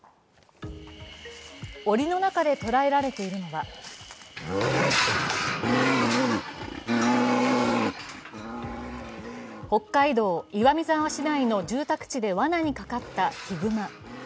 檻の中でとらえられているのは北海道岩見沢市内の住宅地でわなにかかったヒグマ。